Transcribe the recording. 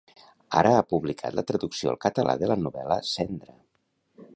Ara ha publicat la traducció al català de la novel·la, "Cendra".